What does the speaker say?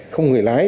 không người lái